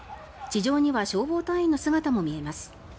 地上には消防隊員の姿も見えます。